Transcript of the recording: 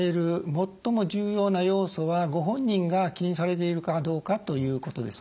最も重要な要素はご本人が気にされているかどうかということですね。